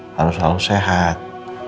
harus selalu sehat